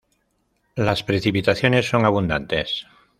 Las precipitaciones son abundantes.